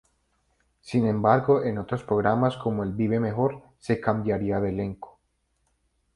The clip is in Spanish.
Sin embargo, en otros programas como "Vive Mejor" se cambiaría de elenco.